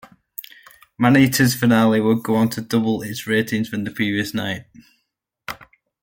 Maneaters finale would go on to double its ratings from the previous night.